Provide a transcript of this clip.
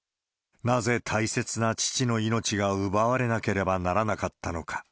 なぜ大切な父の命が奪われなければならなかったのか。